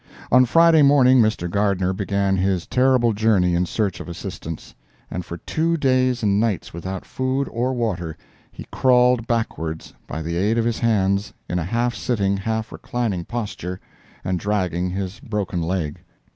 On Friday morning Mr. Gardner began his terrible journey in search of assistance, and for two days and nights, without food or water, he crawled backwards, by the aid of his hands, in a half sitting, half reclining posture, and dragging his broken leg.